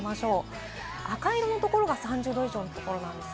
赤い色のところが３０度以上のところです。